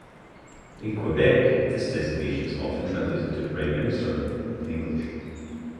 In Quebec, this designation is often translated to "prime minister" in English.